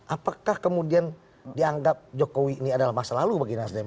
apakah kemudian dianggap jokowi ini adalah masa lalu bagi nasdem